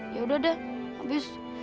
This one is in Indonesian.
yaudah deh abis